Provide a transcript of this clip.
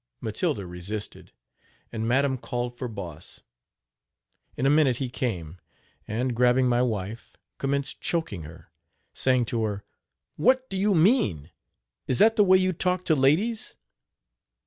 Matilda resisted, and madam called for Boss. In a minute he came, and, grabbing my wife, commenced choking her, saying to her: "What do you mean? Is that the way you talk to ladies?